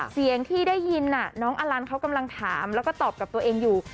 เสียงที่ได้ยินน้องอลันเขากำลังถามแล้วก็ตอบกับตัวเองอยู่